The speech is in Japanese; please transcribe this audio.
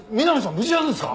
無事なんですか？